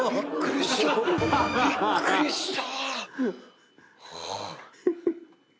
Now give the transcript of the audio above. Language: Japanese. びっくりした。